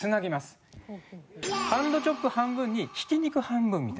ハンドチョップ半分にひき肉半分みたいな。